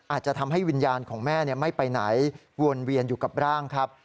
อาจจะทำให้วิญญาณของแม่ไม่ไปไหนวนเวียนอยู่กับร่างครับ